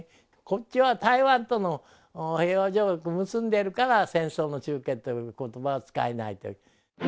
こっちは台湾との平和条約結んでるから、戦争の終結ということばは使えないという。